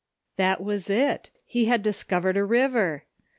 That was it! He had discovered a river!